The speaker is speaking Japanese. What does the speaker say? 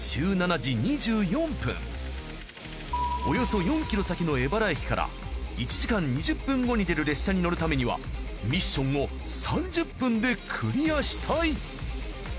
およそ４ｋｍ先の江原駅から１時間２０分後に出る列車に乗るためにはミッションを３０分でクリアしたい。